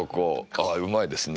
あっうまいですね。